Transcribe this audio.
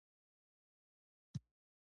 ملګرتیا د یو ښه شخص سره د ګنیو په څېر ده.